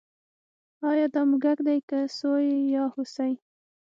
ایا دا موږک دی که سوی یا هوسۍ